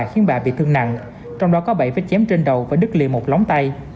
khiến bà bị thương nặng trong đó có bảy vết chém trên đầu và đứt lìa một lóng tay